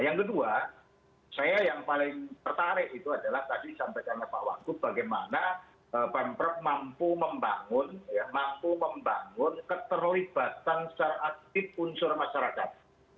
yang kedua saya yang paling tertarik itu adalah tadi disampaikan pak wakud bagaimana pemprek mampu membangun keterlibatan secara aktif unsur masyarakat